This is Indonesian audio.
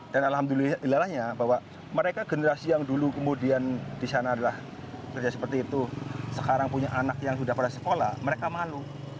dan alhamdulillahnya mereka generasi yang dulu kemudian di sana kerja seperti itu sekarang punya anak yang sudah pada sekolah mereka malu